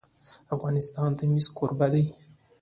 افغانستان د مس کوربه دی.